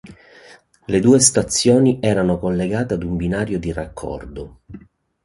Le due stazioni erano collegate da un binario di raccordo.